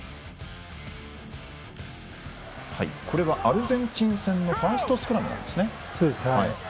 これはアルゼンチン戦のファーストスクラムですね。